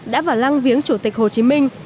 đã vào lăng viếng chủ tịch hồ chí minh